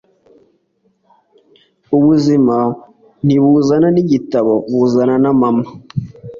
ubuzima ntibuzana nigitabo, buzana na mama